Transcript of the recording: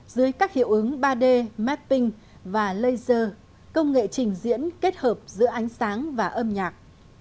dưới các hiệu ứng ba d mapping và laser công nghệ trình diễn kết hợp giữa ánh sáng và âm nhạc